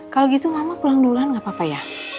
kalau gitu mama pulang duluan gak apa apa ya